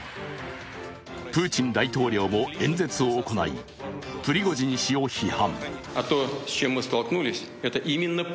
プーチン大統領も演説を行いプリゴジン氏を批判。